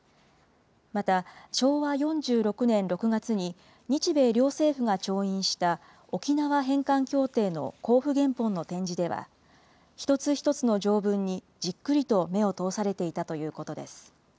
また、昭和４６年６月に日米両政府が調印した、沖縄返還協定の公布原本の展示では、一つ一つの条文にじっくりと目を通されていたということです。